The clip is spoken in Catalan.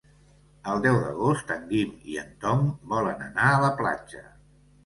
El deu d'agost en Guim i en Tom volen anar a la platja.